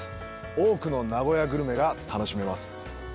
多くの名古屋グルメが楽しめます。